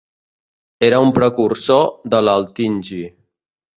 Era un precursor de l'Althingi.